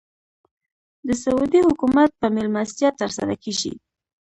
د سعودي حکومت په مېلمستیا تر سره کېږي.